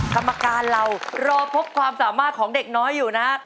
กรรมการเรารอพบความสามารถของเด็กน้อยอยู่นะ